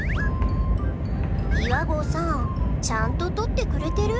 「岩合さんちゃんと撮ってくれてる？」